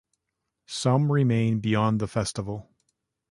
Some remain beyond the festival.